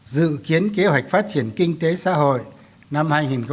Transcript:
dự kiến kế hoạch phát triển kinh tế xã hội năm hai nghìn một mươi bảy